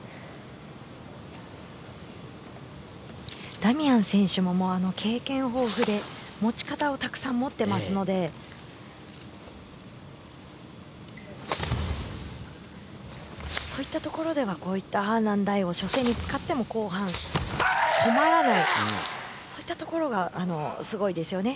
ダミアン選手も経験豊富で持ち形をたくさん持っていますのでそういったところではこういったアーナンダイを初戦に使っても後半困らないそういったところがすごいですよね。